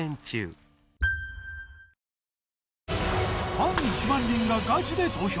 ファン１万人がガチで投票！